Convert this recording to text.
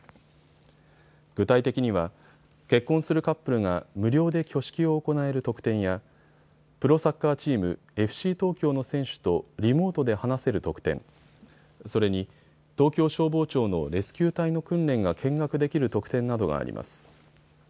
具体的には結婚するカップルが無料で挙式を行える特典やプロサッカーチーム、ＦＣ東京の選手とリモートで話せる特典、それに東京消防庁のレスキュー隊の訓練が見学できる特典などがあります。